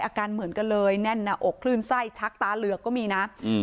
อาการเหมือนกันเลยแน่นหน้าอกคลื่นไส้ชักตาเหลือกก็มีนะอืม